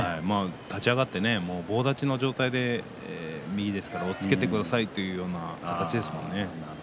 立ち上がって棒立ちの状態で右ですから押っつけてくださいって言ってるようなものですよ。